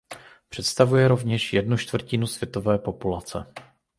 Představuje rovněž jednu čtvrtinu světové populace.